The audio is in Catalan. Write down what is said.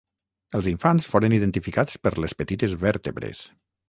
Els infants foren identificats per les petites vèrtebres.